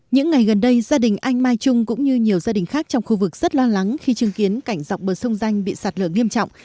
những ngày gần đây gia đình anh mai trung cũng như nhiều gia đình khác trong khu vực rất lo lắng khi chứng kiến cảnh dọc bờ sông danh bị sạt lở nghiêm trọng